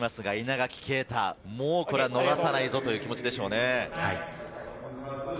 稲垣啓太、これはもう逃さないぞという気持ちですね。